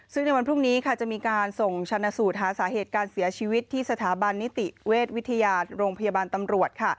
ซึ่งในวันพรุ่งนี้ค่ะจะมีการส่งชนะสูตรหาสาเหตุการเสียชีวิตที่สถาบันนิติเวชวิทยาโรงพยาบาลตำรวจค่ะ